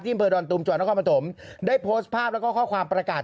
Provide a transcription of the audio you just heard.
ที่เผดอนตุ๋มจ่อน้องคมตมได้โพสต์ภาพแล้วก็ข้อความประกาศ